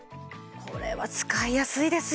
これは使いやすいですよ。